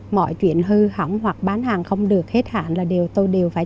mọi chuyện hư hỏng hoặc bán hàng không được hết hạn là điều tôi đều phải